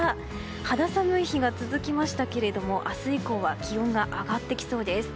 肌寒い日が続きましたが明日以降は気温が上がってきそうです。